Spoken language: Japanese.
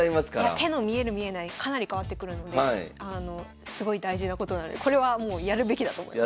手の見える見えないかなり変わってくるのですごい大事なことなのでこれはもうやるべきだと思います。